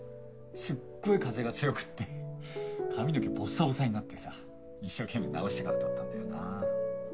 すっごい風が強くって髪の毛ぼっさぼさになってさ一生懸命なおしてから撮ったんだよな。